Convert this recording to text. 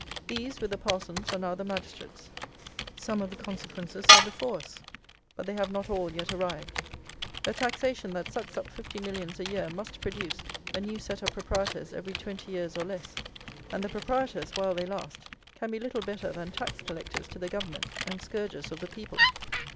These, with the Parsons, are now the magistrates. Some of the consequences are before us; but they have not all yet arrived. A taxation that sucks up fifty millions a year must produce a new set of proprietors every twenty years or less; and the proprietors, while they last, can be little better than tax collectors to the government, and scourgers of the people.